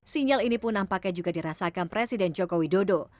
sinyal ini pun nampaknya juga dirasakan presiden joko widodo